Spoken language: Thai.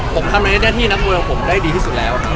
ผมทำในหน้าที่นักมวยของผมได้ดีที่สุดแล้ว